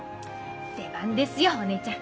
出番ですよお姉ちゃん。